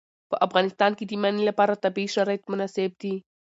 په افغانستان کې د منی لپاره طبیعي شرایط مناسب دي.